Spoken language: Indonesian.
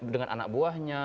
dengan anak buahnya